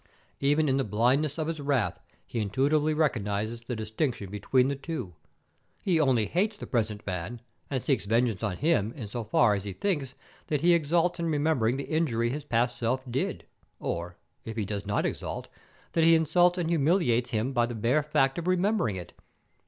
Even in the blindness of his wrath he intuitively recognizes the distinction between the two. He only hates the present man, and seeks vengeance on him in so far as he thinks that he exults in remembering the injury his past self did, or, if he does not exult, that he insults and humiliates him by the bare fact of remembering it.